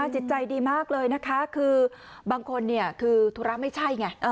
จิตใจดีมากเลยนะคะคือบางคนคือธุระไม่ใช่ไง